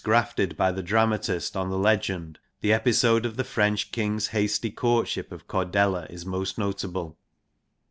grafted by the dramatist on the legend, the episode of the French king's hasty courtship of Cordelia is most notable.